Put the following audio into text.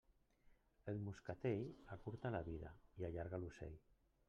El moscatell acurta la vida i allarga l'ocell.